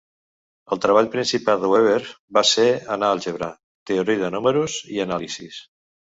El treball principal de Weber va ser en àlgebra, teoria de números i anàlisis.